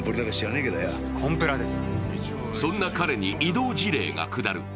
そんな彼に異動辞令が下る。